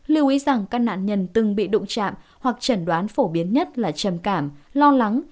lưu ý rằng các nạn nhân từng bị đụng chạm hoặc chẩn đoán phổ biến nhất là trầm cảm lo lắng